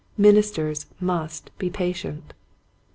Ministers must be patient.